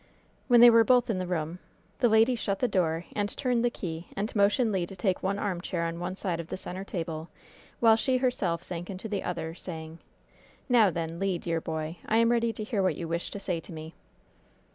When they were both in the room, the lady shut the door and turned the key, and motioned Le to take one armchair on one side of the center table, while she herself sank into the other, saying: "Now then, Le, dear boy, I am ready to hear what you wish to say to me."